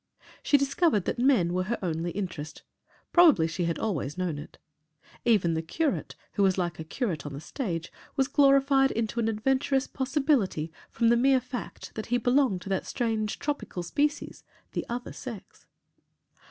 She discovered that men were her only interest probably she had always known it. Even the curate, who was like a curate on the stage, was glorified into an adventurous possibility from the mere fact that he belonged to that strange, tropical species the other sex.